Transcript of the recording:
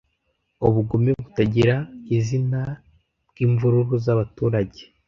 ubugome butagira izina bwimvururu zabaturage